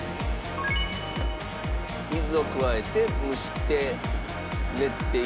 水を加えて蒸して練っていきます。